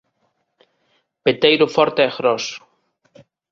Peteiro forte e groso.